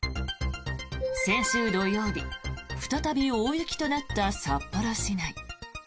先週土曜日再び大雪となった札幌市内。